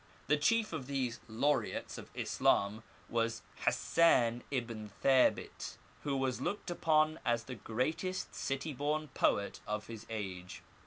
The chief of these laureates of Islam was Hassdn ibn Thdbit,.who was looked upon as the greatest city born poet of his age.